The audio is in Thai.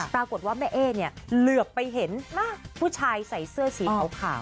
ปรากฏว่าแม่เอ๊เนี่ยเหลือไปเห็นผู้ชายใส่เสื้อสีขาว